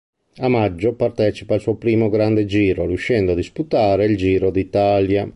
A maggio partecipa al suo primo grande giro riuscendo a disputare il Giro d'Italia.